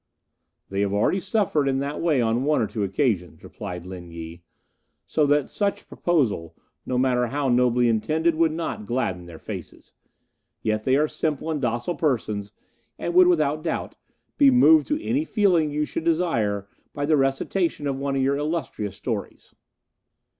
"They have already suffered in that way on one or two occasions," replied Lin Yi; "so that such a proposal, no matter how nobly intended, would not gladden their faces. Yet they are simple and docile persons, and would, without doubt, be moved to any feeling you should desire by the recital of one of your illustrious stories."